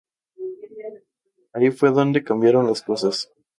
Ahí fue donde cambiaron las cosas.